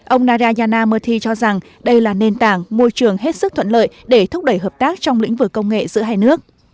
ông narayana merthi cho rằng đây là nền tảng môi trường hết sức thuận lợi để thúc đẩy hợp tác trong lĩnh vực công nghệ giữa hai nước